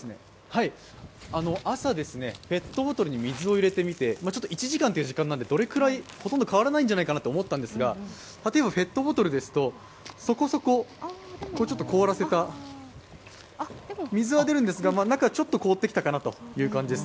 朝、ペットボトルに水を入れてみて、１時間なのでどれくらい、ほとんど変わらないんじゃないかなと思ったんですが例えばペットボトルですと、そこそこ、ちょっと凍らせた、水は出るんですが、中、ちょっと凍ってきたかなという感じです。